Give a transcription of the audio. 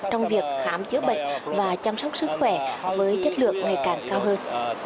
trong việc khám chữa bệnh và chăm sóc sức khỏe với chất lượng ngày càng cao hơn